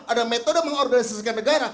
ada metode mengorganisasi segala negara